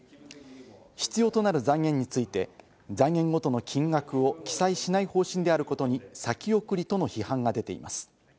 必要となる財源について、財源ごとの金額を記載しない方針であることに先送りとの批判が出ています。